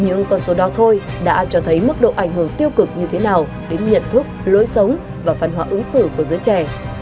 nhưng con số đó thôi đã cho thấy mức độ ảnh hưởng tiêu cực như thế nào đến nhận thức lối sống và phân hóa ứng xử của giới trẻ